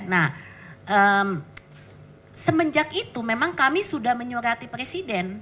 nah semenjak itu memang kami sudah menyurati presiden